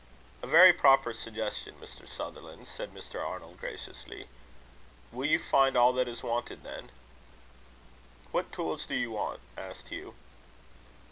"A very proper suggestion, Mr. Sutherland," said Mr. Arnold, graciously. "Will you find all that is wanted, then?" "What tools do you want?" asked Hugh.